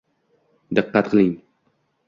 Diqqat qiling!